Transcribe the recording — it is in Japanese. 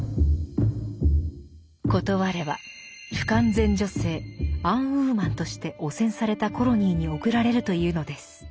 断れば「不完全女性＝アンウーマン」として汚染されたコロニーに送られるというのです。